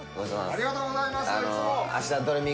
ありがとうございます。